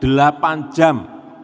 dan penggunaannya delapan jam